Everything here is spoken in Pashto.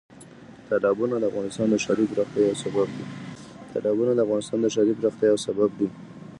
تالابونه د افغانستان د ښاري پراختیا یو سبب دی.